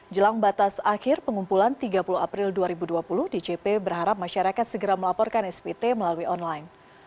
jelang batas akhir pengumpulan tiga puluh april dua ribu dua puluh djp berharap masyarakat segera melaporkan spt melalui online